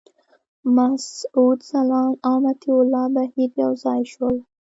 مسعود ځلاند او مطیع الله بهیر یو ځای شول.